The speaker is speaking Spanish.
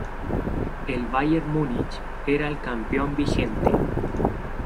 El Bayern Múnich era el campeón vigente.